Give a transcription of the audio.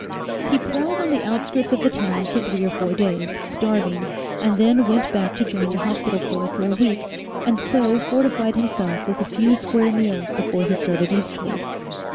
He prowled on the outskirts of the town for three or four days, starving, and then went back to join the Hospital Corps for a week, and so fortified himself with a few square meals before he started eastward.